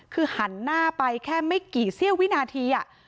คือหันหน้าไปแค่ไม่กี่เสี้ยววินาที